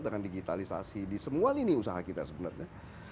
dengan digitalisasi di semua lini usaha kita sebenarnya